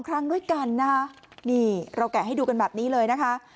ครั้งด้วยกันนะคะนี่เราแกะให้ดูกันแบบนี้เลยนะคะ